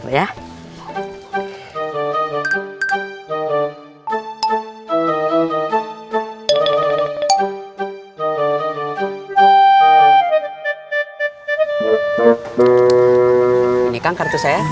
ini kang kartu saya